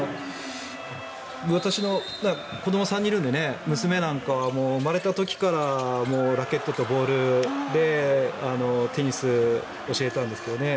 私の子ども３人いるので娘なんかは生まれた時からラケットとボールでテニスを教えたんですけどね。